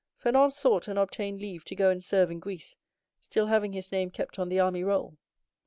Fernand sought and obtained leave to go and serve in Greece, still having his name kept on the army roll.